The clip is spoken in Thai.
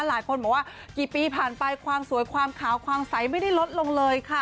หลายคนบอกว่ากี่ปีผ่านไปความสวยความขาวความใสไม่ได้ลดลงเลยค่ะ